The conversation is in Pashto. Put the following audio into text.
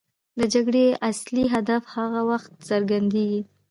د جګړې اصلي هدف هغه وخت څرګندېږي.